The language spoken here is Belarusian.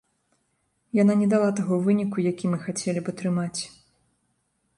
Яна не дала таго выніку, які мы хацелі б атрымаць.